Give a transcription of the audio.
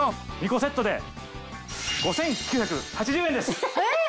２個セットで５９８０円です！えっ！？